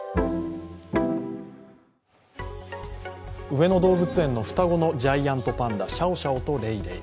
上野動物園の双子のジャイアントパンダ、シャオシャオとレイレイ。